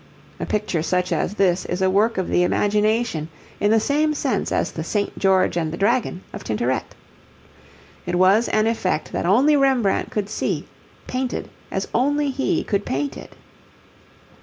A picture such as this is a work of the imagination in the same sense as the 'Saint George and the Dragon' of Tintoret. It was an effect that only Rembrandt could see, painted as only he could paint it.